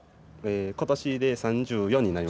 今年で３４になります。